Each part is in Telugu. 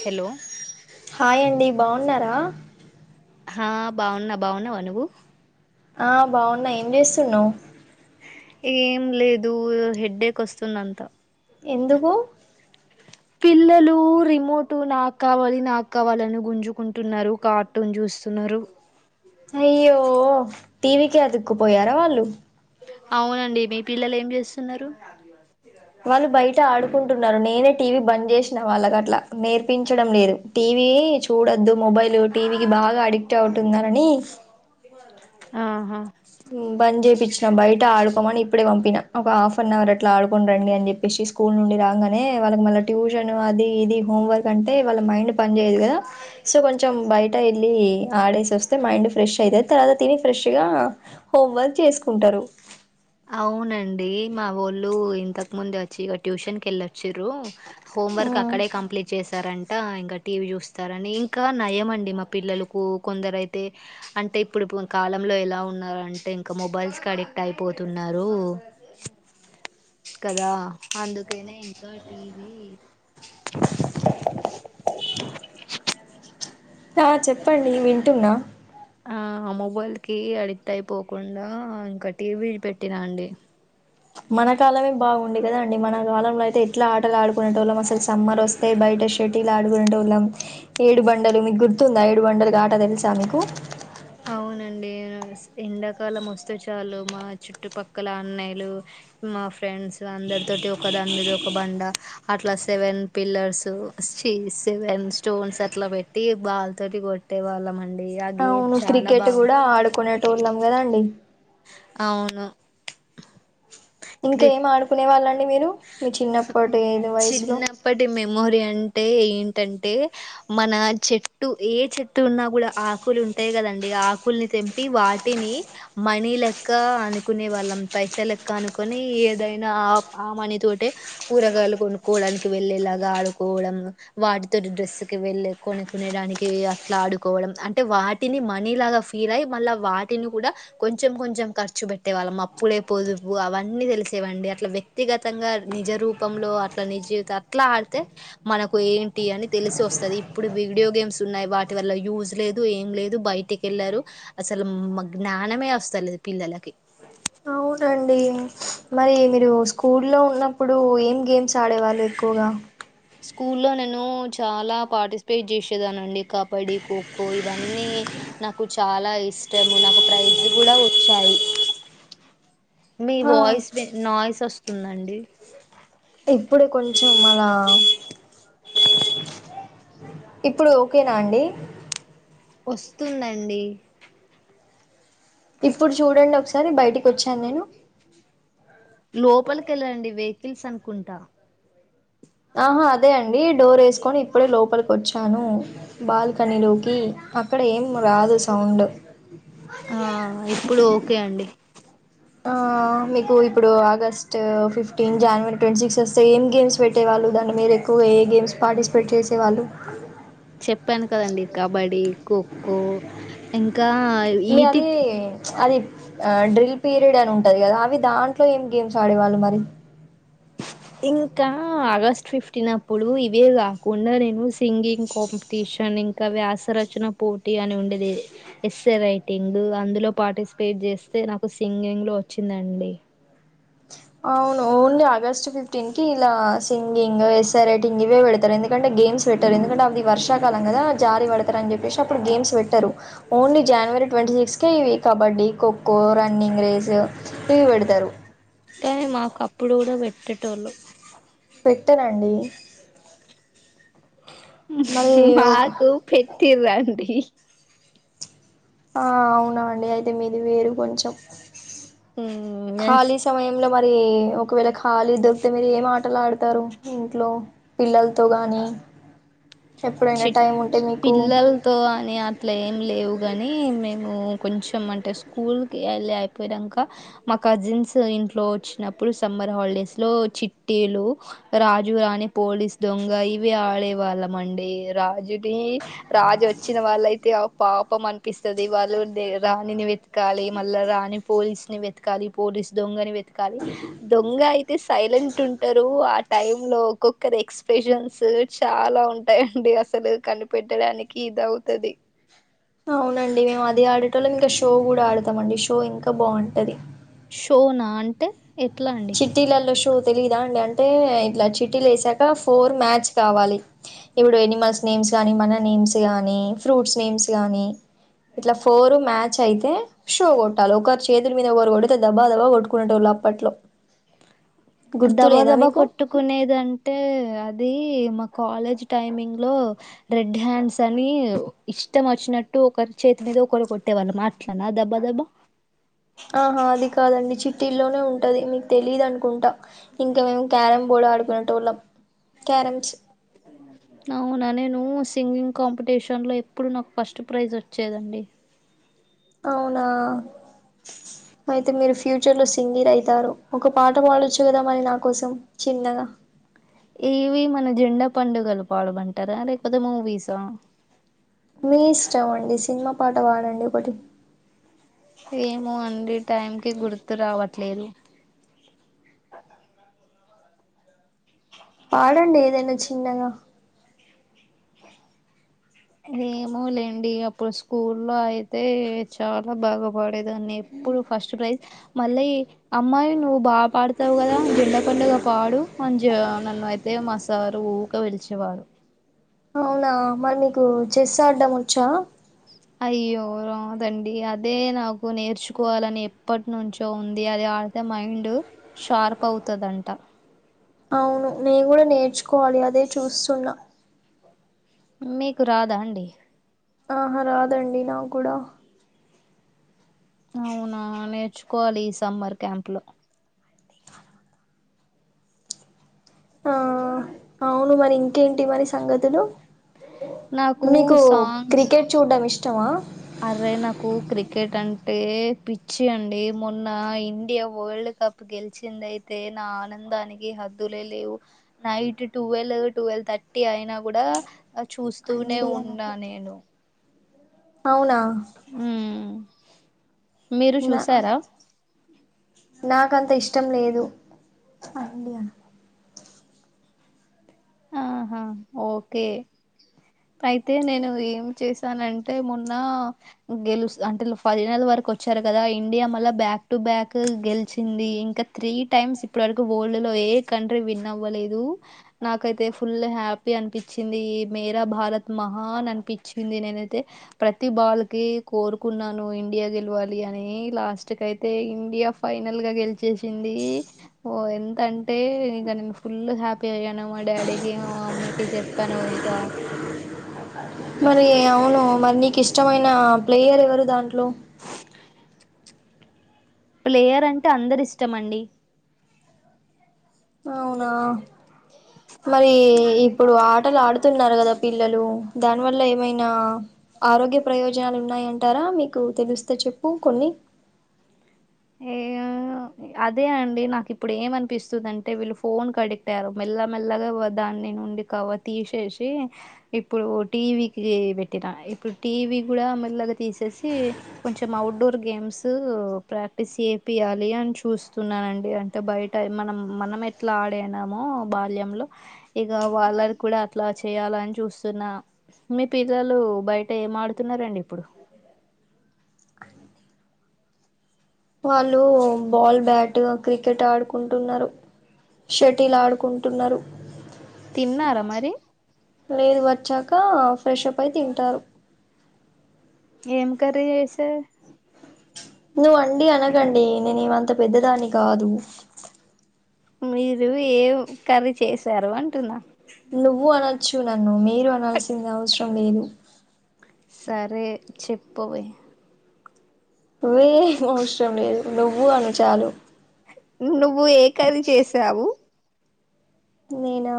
హలో హాయ్ అండి బాగున్నారా ఆ బావున్నా బావున్నావా నువ్వు ఆ బాగున్నా ఏం చేస్తున్నవ్ ఏం లేదు హెడ్డేక్ వస్తుందంత ఎందుకు పిల్లలు రిమోట్ పిల్లలు నాకావళి నాకావళలని గుంజుకుంటున్నారు. కార్టూన్ చూస్తున్నరు. అయ్యో టీవికే అదుక్కుపోయారా వాళ్ళు అవునండి మీ పిల్లలు ఏం చేస్తున్నరు. వాళ్ళు బయట ఆడుకుంటున్నారు. నె నేనే టీవీ బంద్ చేసినా వాళ్ళకి అట్లా నేర్పించడం లేదు. టీవీ చూడద్దు మొబైల్ టీవ్ కి బాగా అడిక్ట్ అవుతుందనని ఆహా బంద్ చేపియిచ్చినాం బయట ఆడుకోమని ఇప్పుడే పంపిన. ఒక హాఫ్ అన్ అవర్ అట్లా ఆడుకోన్ రండి అని చెప్పేసి స్కూల్ నుండి రాంగనే వాళ్ళకి మళ్ళ ట్యూషన్ అది ఇది హోమ్ వర్క్ అంటే వాళ్ళ మైండ్ పని చేయదు కదా సో కొంచెం బయట్ ఎల్లి ఆడేసి వస్తే మైండ్ ఫ్రెష్ అయిత తర్వాత తిని ఫ్రెష్గా హోం వర్క్ చేసుకుంటరు. అవునండి మా వోళ్ళు ఇంతకు ముందు వచ్చి ట్యూషన్ కె వెళ్ళొచ్చిరు. హోంవర్క్ అక్కడే కంప్లీట్ చేశారం అంట ఇంకా టీవీ చూస్తారని ఇంకా నయం అండి. మా పిల్లలకు కొందరు అయితే అంటే ఇప్పుడు కాలంలో ఎలా ఉన్నర్ అంటే ఇంకా మొబైల్స్ కి అడిక్ట్ అయి పోతున్నారు కదా అందుకనే ఇంకా టీవీ ఆ చెప్పండి వింటున్న ఆ మొబైల్ కి అడిక్ట్ అయిపోకుండా ఇంకా టీవీ పెట్టినాండి. మన కాలమే బాగుండె కదా అండి. మన కాలంలో అయితే ఎట్లా ఆటలు ఆడుకునేటోళ్ళం. అసలు సమ్మర్ వస్తే బయ్ అంటే షటిలా ఆడుగుంటోళ్ళం ఏడు బండలు మీకు గుర్తుందా ఏడు బండలు గా ఆట తెలుసా మీకు? అవునండి యాస్ ఎండాకాలం వస్తే చాలు మా చుట్టుపక్కల అన్నయలు మా ఫ్రెండ్స్ అందరి తోటి ఒక దాని మీద ఒక బండ అట్లా సెవెన్ పిల్లర్స్ చస్వన్ స్టోన్స్ అట్ల పెట్టి బాల్ తోటి కొట్టే వాళ్ళమండి అగే అవును క్రికెట్ కూడా ఆడుకునేటోళ్ళం కద అండి అవును క్రి ఇంకేం ఆడుకునే వాళ్ళండి మీరు మీ చిన్నప్పటి ఏదు వయసులో చిన్నప్పటి మెమోరీ అంటే ఏంటంటే మన చెట్టు ఏ చెట్టు ఉన్నా కూడా ఆకులు ఉంటాయి కదండి. ఆకుల్ని తెంపి వాటిని మనీ లెక్క అనుకునే వాళ్ళం పైస లెక్క అనుకొని దీ ఏదైనా ఆ మనీ తోటే కూరగాయలు కొనుక్కోడానికి వెళ్ళేలాగా ఆడుకోవడం, వాటితో డ్రెస్సుకి వెళ్ళే కొనుకునేడానికి అట్లాడుకోడం అంటే వాటిని మనీ లాగా ఫీల్ అయ్ మళ్ళీ వాటి టిన్ను కూడా కొంచెం కొంచెం ఖర్చు బెట్టేవాళ్ళం అప్పుడే పొదుపు అవన్నీ దెలిసేవండి అట్లవే వ్యక్తిగతంగా నిజ రూపంలో అట్లా నిజీవిత అట్లా ఆడితే మనకు ఏంటి అని తెలిసి వస్తు స్తది ఇప్పుడు వీడియో గేమ్స్ ఉన్నాయి. వాటి వల్ల యూజ్ లేదు, ఏం లేదు బయటకెళ్లారు అసలు మ జ్ఞానమే అస్తలేదు పిల్లలకి అవునండి మరి మీరు స్కూల్లో ఉన్నప్పుడు ఏం గేమ్స్ ఆడేవాళ్ళు ఎక్కువగా? స్కూల్లో నేను చాలా పార్టిస్పేట్ జేసేదాన్నండి కబడ్డి, ఖోఖో ఇవన్నీ నాకు చాలా ఇష్టము నాకు ప్రైజ్ గూడా వచ్చాయి. మీ ఆ వాయిస్ బే నాయిస్ ఒస్తుందండి. ఇప్పుడు కొంచెం మళ ఇప్పుడు ఓకేన అండి ఒస్తుందండి ఇప్పుడు చూడండి ఒకసారి బయటికొచ్చాన్ నేను హిల్సన్కుంట ఆహా అదే అండి డోరెస్కోని ఇప్పుడే లోపలికి ఒచ్చాను బాల్కనీలోకి అక్కడ ఏం రాదు సౌండూ ఆ ఇప్పుడు ఓకే అండి ఆ మీకు ఇప్పుడు August fifteen, January twenty six ఒస్తే ఏం గేమ్స్ పెట్టేవాల్ అల్లుదండి మీరు ఎక్కువ ఏ గేమ్స్ పార్టిస్పేట్ చేసేవాళ్ళు? చెప్పాను కదండి కబడ్డీ, ఖోఖో ఇంక్ మీ అదీ ప్చ్ అది ఆ డ్రిల్పీర్ పీరేడుంటాయి గదా అవి దాంట్లో ఏం గేమ్స్ ఆడేవాళ్ళు మరి? ఇంకా ఆగస్ట్ ఫిఫ్ట్న్ అప్పుడు ఇవే గాకుండా నేను సింగింగ్ కాంపిటీష్ షన్ ఇంకా వ్యాసరచన పోటీ అని ఉండేది. ఎస్సైయ్ రైటింగు అందులో పార్టిస్పేట్ జేస్తే నాకు సింగింగ్ లో ఒచ్చిందండి. అవును ఓన్లీ ఆగస్ట్ ఫిఫ్టీన్ కి ఇలా సింగింగ్, ఎస్సైయ్ రైటింగ్ గివేడ్తరు ఎందుక్ కంటే గేమ్స్ వెట్టరు ఎందుకంటే అది వర్ష్ కాలం గదా జారీవడ్తరని జేప్పేసి అప్పుడు గేమ్స్ వెట్టరు ఓన్లీ జాన్వరి ట్వంటీ సిక్స్ కే ఇవి కబడ్డీ ఈ ఖోఖో, రన్నింగ్ రేస్ ప్చ్ ఇవ్వేడ్తరు కానీ మాకప్పుడు కూడా పెట్టేటోళ్ళు పెట్టరండి ఉహు మరి హు ఒక మాకు పెట్టిళ్ళండి ఆ అవునా అండి అయితే మీది వేరు కొంచెం తో నేను ఖాళీ సమయంలో మరి ఒకవేళ ఖాళీ దొర్కితే మీరు ఏం ఆటలు ఆడుతారు ఇంట్లో? పిల్లల్తో గాని చిట్ మీకు పిల్లల్తో అని అట్లా ఏం లేవు గానీ మేము కొంచెం అంటే స్కూల్ కి ఎళ్ళి అయిపోయినంకా మా కజిన్స్ ఇన్ ఇంట్లో ఒచ్చినప్పుడు సమ్మర్ హాలిడేస్ లో చిట్టీలు రాజు రాణి పోలీస్ దొంగ ఇవి ఆడేవాళ్ళమండి రాజుని రాజు ఒచ్చినవాళ్ళైతే అ పాపం అనిపిస్తది వాళ్ళు దే రాణిని వెత్కాలి మళ్ళా రాణి పోలీస్ ని వెత్కాలి పోలీ స్ దొంగని వెత్కాలి దొంగై తీస్ సైలెంట్ ఉంటారు ఆ టైమ్ లో ఒక్కొక్కరు ఎక్స్ప్రెషన్స్ చాలా ఉంటా దే అయండి అసలు కనిపెట్టడానికి ఇది అవుతుది అవునండి మేము అదే ఆడేటోళ్ళం ఇంకా షో కూడా ఆడతామండి. షో ఇంకా బావుంటది. షోనా అంటే ఎట్లా అండి చిట్టీ లళ్ళో షోస్ తెలిదా అండి అంటే ఇట్లా చిట్టీలు ఏసాక ఫోర్ మ్యాచ్ కావాలి ఇప్పుడు ఎనిమల్స్ నేమ్స్ స్ కానీ మన నేమ్స్ కానీ ఫ్రూట్స్ నేమ్స్ కానీ ఇట్లా ఫోర్ మ్యాచ్ అయితే షో కొట్టాలి ఒకరి చేతుల మీద ఒకరు కొడితే దబ్బా దబా కొట్టుకునేే టోళ్ళు అప్పట్లో దబా గుర్తులేదా దబా మీకు కొట్టుకునేదంటే అద్ అది మా కాలేజ్ టైమింగ్ లో రెడ్ హ్యాండ్స్ అని ఇష్టం వచ్చినట్టు ఒకరి చేతి మీద ఒకరు కొట్టేవాళ్ళం మాట్లానా దబ్బా దబ్బ ఆహా అది కాదండి చిట్ ట్టిలోనే ఉంటది మీకు తెలీదు అనుకుంటా ఇంకా మేము క్యార బోర్డ్ ఆడుకునే టోళ్ళం క్యరమ్స్ అవునా నేను సింగింగ్ కాంపిటీషన్లో ఎప్పుడు నాకు ఫస్ట్ ప్రైజ్ వచ్చేదండి అవునా అయితే మీరు ఫ్యూచర్ లో సింగర్ అయితారు ఒక పాట పాడొచ్చు కదా మరి నా కోసం చ్ చిన్నగా ఏవి మన జెండా పండుగలు పాడమంటారా లేకపోతే మూవీసా మీ ఇష్టం అండి సినిమా పాట పాడండి ఒకటి ఏమో అండి టైంకిి గుర్తు రావట్లేదు పాడండి ఏదైనా చిన్నగా ఏమో లేండి అప్పుడు స్కూల్లో అయితే చాలా బాగాపడేదాన్ని అప్పుడు ఫస్ట్ ప్రైజ్ మళ్ళీ అమ్మాయి నువ్వు బాగా పాడతావు కదా జెండ పండుగ పాడు మంజ్ ననైతే మా సారు ఊకే పిలిచేవారు అవునా మరి మీకు చెస్ ఆడడం వచ్చా అయ్యో రాదండి అదే నాకు నేర్చుకోవాలని ఎప్పటి నుంచో ఉంది అది ఆడ్ తే మైండ్ షార్ప్ అవుతదంట అవును నేను కూడా నేర్చుకోవాలి అదే చూస్తున్నా మీకు రాదా అండి ఆహా రాదండి నా క్కుడా అవునా నేర్చుకోవాలి ఈ సమ్మర్ క్యాంప్ లో ఆ అవును మరి ఇంకేంటి మరి సంగతులు నాకు మీకు సాంగ్ క్రికెట్ చూడ్డం ఇష్ అర్రే నాకు క్రికెట్ అంటే పిచ్చి అండి మొన్న ఇండియా వరల్డ్ కప్ గెలిచింది అయితే నా ఆనందానికి హద్దులే లేవు night twelve to well thirty అయినా కూడా చూస్తూనే అండియా ఉన్నా నాకు నేను అవునా మ్మ్ మీరు నా చూసారా నాకంత ఇష్ ష్టం లేదు అండి అ ఆహా ఓకే అయితే నేను ఏం చేశానంటే మొన్న గెలుస్ అంటే ఫైనల్ వర్ పట్టుకొచ్చారు కదా ఇండియా మళ్ళా బ్యాక్ టు బ్యాక్ గెలిచింది ఇంకా త్రీ టైమ్స్ ఇప్పటి వరకు ఓల్డ్. లో ఏ కంట్రీ విన్నవ్వలేదు. నాకైతే ఫుల్ హ్యాపీ అనిపించింది ఈ మేరా భారత్ మహాన్ అనిపించింది నేనైతే. ప్రతి బాల్ కి కోరుకున్నాను ఇండియా గెలవాలి అని లాస్ట్ కైతే ఇండియా. ఫైనల్ గా గెలిచేసింది ఓ ఎంతంటే ఇగ నేను ఫుల్ హ్యాపీ అయ్యాను. మా డాడీకి మా మమ్మీ కి చెప్పాను ఇంకా మరి అవును మరి నీకు ఇష్టమైన ప్లేయర్ ఎవరు దాంట్లో ప్లేయర్ అంటే అందరిష్టమండి అవునా మరి ఇప్పుడు ఆటలు ఆడుతున్నారు కదా పిల్లలు దాని వల్ల ఏమైనా ఆరోగ్య ప్రయోజనాలు ఉన్నాయంటారా మీకు తెలుస్తే చెప్పు కొన్ని. ఏమో. అదే అండి నాకు ఇప్పుడు ఏమనిపిస్తుంది అంటే వీళ్ళు ఫోన్ కి అడిక్ట్ అయ్యారు మెల్ల మెల్లగా వదా. నుండి కవార్ తీసేసి ఇప్పుడు టీవీకి పెట్టినా ఇప్పుడు టీవి. కూడ మెల్లగా తీసేసి కొంచెం ఔట్డోర్ గేమ్స్ ప్రాక్. క్టీస్ చేపియాలి అని చూస్తున్నానండి అంటే బయట మనం మనం ఎట్లా ఆడినామో బ. బాల్యంలో ఇగ వాళ్ళని కూడా అట్లా చేయాలని చూస్తున్న మీ పిల్లలు. బయట ఏం ఆడుతున్నారండి ఇప్పుడు. వాళ్ళు బాల్ బ్యాట్ క్రికెట్ ఆడుకుంటున్నారు. షటిల్ ఆడుకుంటున్నారు. తిన్నార మరి. లేదు వచ్చాక ఫ్రెషప్ అయి తింటారు. ఏం కర్రీ చేశారు. నువ్వు అండి అనకండి నేనేమంత పెద్దదాన్ని కాదు. మీరు ఏం కర్రీ చేశారు అంటున్నా. చ్చు నన్ను మీరు అనాల్సింది అవసరం లేదు. సరే చెప్పవే. వే ఏం అవసరం లేదు నువ్వు అను చాలు. నువ్వు ఏ కర్రీ చేసావు. నేనా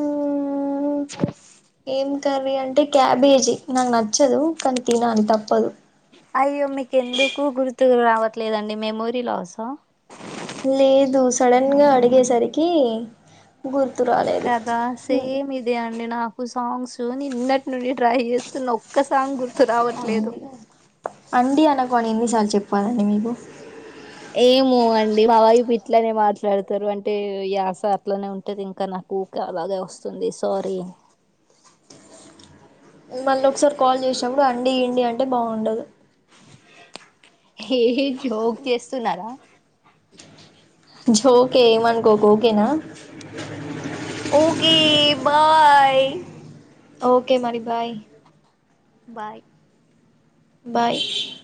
ఉమ్. ఏం కర్రీ అంటే క్యాబేజీ నాకు నచ్చదు కానీ తినాలి తప్పదు. లేదండి మెమోరీ లాసా. లేదు సడన్ గా అడిగేసరికి గుర్. కదా సేమ్ ఇదే అండి నాకు. నాకు సాంగ్స్ నిన్నటి నుండి ట్రై చేస్తున్న ఒక్క సాంగ్ గుర్. అండి అండి అనకుఅని ఎన్నిసార్లు చెప్పాలండి మీకు. ఏమో అండి మా వైపు ఇట్లనే మాట్లాడతారు అంటే యాస అట్లనే ఉంటుంది ఇంకా నాకు. అలాగే వస్తుంది సారీ. మళ్ళ ఒకసారి కాల్ చేసినప్పుడు అండి ఇండి అంటే బాగుండదు. హే హే జోక్ చేస్తున్నారా. జోకే ఏమనుకోకు ఓకేనా. Okay bye. ఓకే మరి బాయ్. బాయ్. బాయ్.